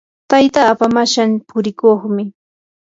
taytapaa mashan purikuqmi.